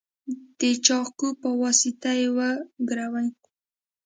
د چاقو په واسطه یې وګروئ.